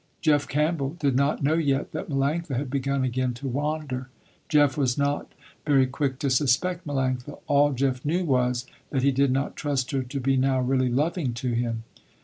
Jeff Campbell did not know yet that Melanctha had begun again to wander. Jeff was not very quick to suspect Melanctha. All Jeff knew was, that he did not trust her to be now really loving to him.